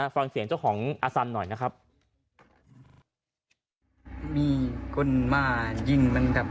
ฟังเสียงเจ้าของอสันหน่อยนะครับ